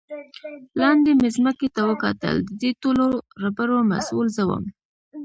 لاندې مې ځمکې ته وکتل، د دې ټولو ربړو مسؤل زه ووم.